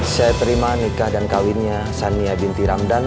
saya terima nikah dan kawinnya sania binti ramdan